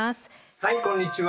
はいこんにちは。